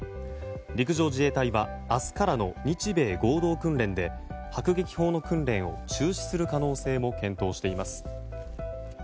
陸上自衛隊は明日からの日米合同訓練で迫撃砲の訓練を中止する可能性も検討しています。